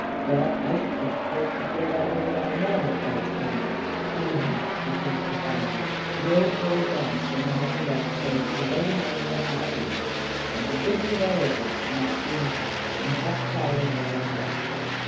Well, I sh'd think folks would feel that way about a man that fights clean. Anyhow," he finished defiantly, "no poor dog's going to have the right to say he's a whiter man than what I am. I been thinking it all over. And that's the answer. I'm off fouling. Like I said."